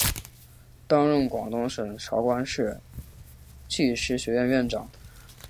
担任广东省韶关市技师学院院长。